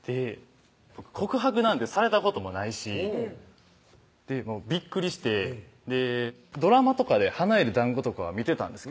告白なんてされたこともないしびっくりしてドラマとかで花より男子とかは見てたん